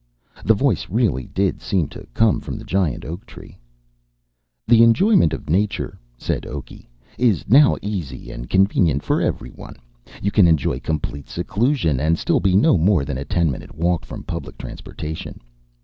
The voice really did seem to come from the giant oak tree. "The enjoyment of nature," said Oaky, "is now easy and convenient for everyone. You can enjoy complete seclusion and still be no more than a ten minute walk from public transportation.